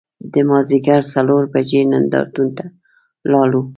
د مازدیګر څلور بجې نندار تون ته لاړو.